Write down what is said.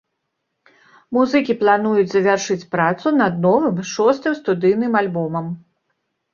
Музыкі плануюць завяршыць працу над новым, шостым студыйным альбомам.